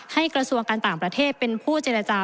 กระทรวงการต่างประเทศเป็นผู้เจรจา